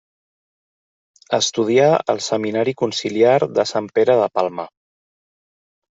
Estudià al Seminari conciliar de Sant Pere de Palma.